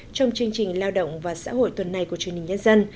trong chương trình lao động và xã hội tuần này của chương trình nhân dân